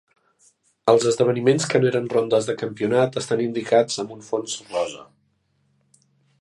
Els esdeveniments que no eren rondes de campionat estan indicats amb un fons rosa.